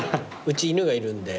うち犬がいるんで。